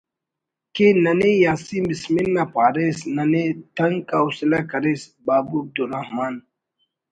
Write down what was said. کہ ننے یاسین بسمل نا پاریس ننے تنک حوصلہ کریس ……بابو عبدالرحمان